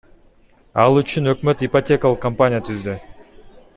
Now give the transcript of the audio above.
Ал үчүн өкмөт ипотекалык компания түздү.